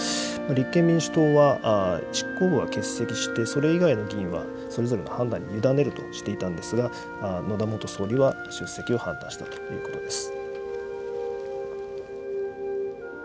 立憲民主党は執行部が欠席して、それ以外の議員は、それぞれの判断に委ねるとしていたんですが、野田元総理は出席を判断したということです。